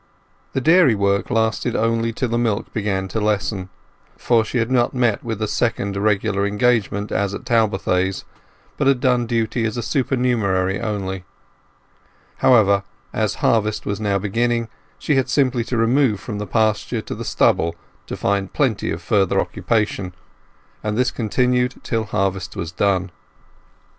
The dairy work lasted only till the milk began to lessen, for she had not met with a second regular engagement as at Talbothays, but had done duty as a supernumerary only. However, as harvest was now beginning, she had simply to remove from the pasture to the stubble to find plenty of further occupation, and this continued till harvest was done.